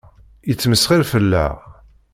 Yettmesxiṛ fell-aɣ.